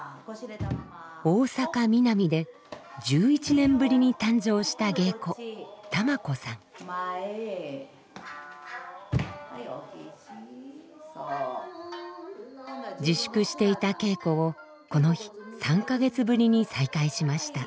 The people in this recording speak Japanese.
大阪ミナミで１１年ぶりに誕生した芸妓自粛していた稽古をこの日３か月ぶりに再開しました。